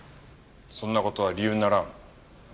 そんな事は理由にならん。